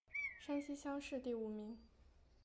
山西乡试第五名。